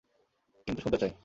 কিন্তু শুনতে চাই।